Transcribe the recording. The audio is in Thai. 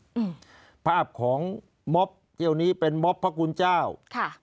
อืมภาพของม๊อบเยอะนี้เป็นพระคุณเจ้าค่ะ